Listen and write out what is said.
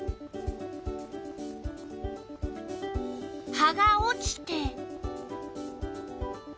葉が落ちて。